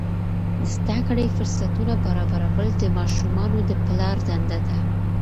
د زده کړې فرصتونه برابرول د ماشومانو د پلار دنده ده.